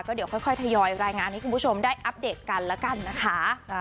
เดี๋ยวค่อยทยอยรายงานให้คุณผู้ชมได้อัปเดตกันแล้วกันนะคะ